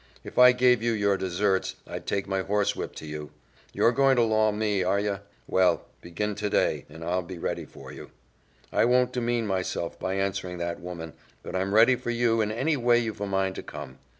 "If I gave you your desserts, I'd take my horsewhip to you. You're going to law me, are you? Well, begin today, and I'll be ready for you. I won't demean myself by answering that woman, but I'm ready for you in any way you've a mind to come.